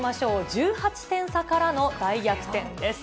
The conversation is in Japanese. １８点差からの大逆転です。